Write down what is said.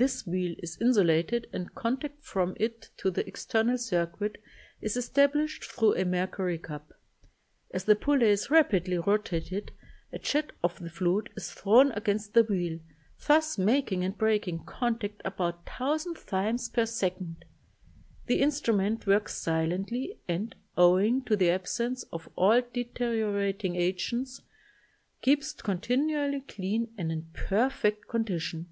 This wheel is insulated and contact from it to the external circuit is established thru a mercury cup. As the pulley is rapidly rotated a jet of the fluid is thrown against the wheel, thus making and break Fig. 18. Tesla Transformer With Mercury Jet Interrupter. big contact about 1,000 times per second. The instrument works silently and, owing to the absence of all deteriorating agents, keeps continually clean and in perfect con dition.